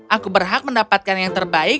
aku berhak mendapatkan yang terbaik